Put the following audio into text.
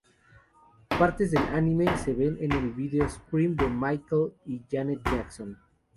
Partes del anime se ven en el vídeo Scream de Michael y Janet Jackson.